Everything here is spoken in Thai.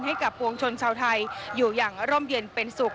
ให้กับวงชนชาาถาญอยู่อย่างร่มเย็นเป็นสุข